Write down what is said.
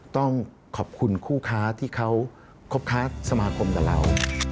ต้องขอบคุณคู่ค้าที่เขาคบค้าสมาคมกับเรา